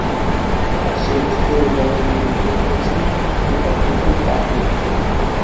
আর সেই থেকে এই দলের নাম নির্ধারিত রিপাবলিকান পার্টি।